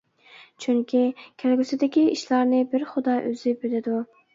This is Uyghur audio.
چۈنكى، كەلگۈسىدىكى ئىشلارنى بىر خۇدا ئۆزى بىلىدۇ.